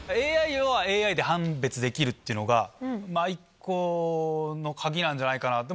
ＡＩがＡＩを判別できるってのが、一個の鍵なんじゃないかなって。